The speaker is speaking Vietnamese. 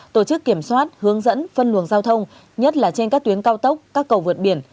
tổ chức kiểm soát hướng dẫn phân luồng giao thông nhất là trên các tuyến cao tốc các cầu vượt biển